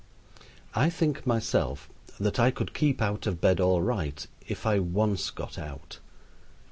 I think myself that I could keep out of bed all right if I once got out.